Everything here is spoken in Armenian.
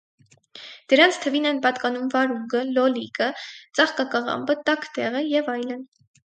Դրանց թվին են պատկանում վարունգը, լոլիկը, ծաղկակաղամբը, տաքդեղը և այլն։